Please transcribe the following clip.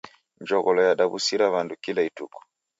Njogholo yadaw'usira w'andu kila ituku.